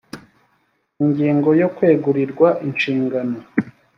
ingingo ya kwegurirwa inshingano